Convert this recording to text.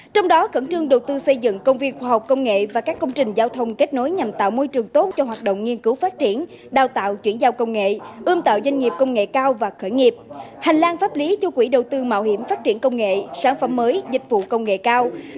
trong đó cẩn trương đầu tư xây dựng công viên khoa học công nghệ và các công trình giao thông kết nối nhằm tạo môi trường tốt cho hoạt động nghiên cứu phát triển đào tạo chuyển giao công nghệ ươm tạo doanh nghiệp công nghệ cao và khởi nghiệp hành lang pháp lý cho quỹ đầu tư mạo hiểm phát triển công nghệ sản phẩm mới dịch vụ công nghệ cao